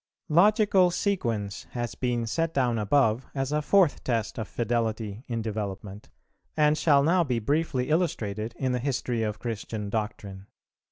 Logical Sequence has been set down above as a fourth test of fidelity in development, and shall now be briefly illustrated in the history of Christian doctrine.